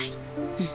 うん。